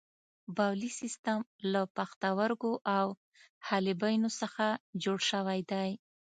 بولي سیستم له پښتورګو او حالبینو څخه جوړ شوی دی.